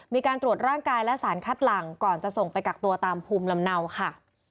มีการตรวจร่างกายและสารคัดหลังก่อนจะส่งไปกักตัวตามภูมิลำเนาค่ะ